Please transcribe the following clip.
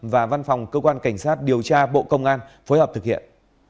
và văn phòng cơ quan cảnh sát điều tra bộ công an phối hợp thực hiện